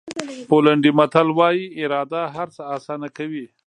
پولنډي متل وایي اراده هر څه آسانه کوي.